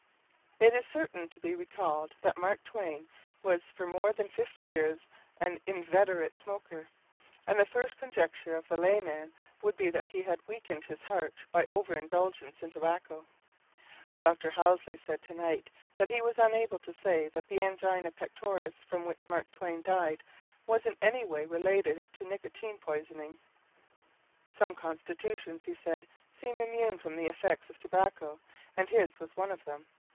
It is certain to be recalled that Mark Twain was for more than fifty years an inveterate smoker, and the first conjecture of the layman would be that he had weakened his heart by overindulgence in tobacco. Dr. Halsey said to night that he was unable to say that the angina pectoris from which Mark Twain died was in any way [related to] nicotine poisoning. Some constitutions, he said, seem immune from the effects of tobacco, and his was one of them.